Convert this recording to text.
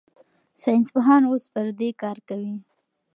ساینسپوهان اوس پر دې کار کوي.